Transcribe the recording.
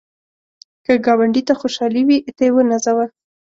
که ګاونډي ته خوشحالي وي، ته یې ونازوه